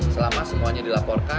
selama semuanya dilaporkan